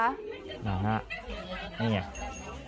นั่นฮะนี่ไง